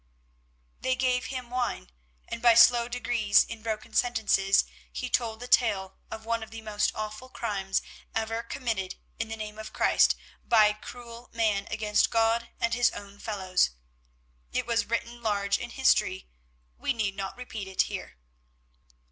They gave him wine, and by slow degrees, in broken sentences, he told the tale of one of the most awful crimes ever committed in the name of Christ by cruel man against God and his own fellows. It was written large in history: we need not repeat it here.